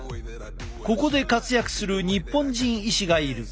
ここで活躍する日本人医師がいる。